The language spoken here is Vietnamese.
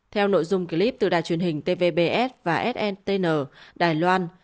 theo nội dung clip từ đài truyền hình tvbs và sntn đài loan